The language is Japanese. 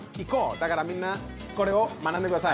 だからみんなこれを学んでください。